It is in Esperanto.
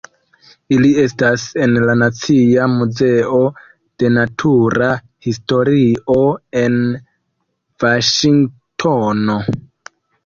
Ili estas en la Nacia Muzeo de Natura Historio en Vaŝingtono.